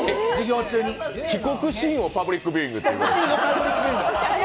帰国シーンをパブリックビューイング。